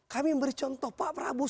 kami memberi contoh pak prabowo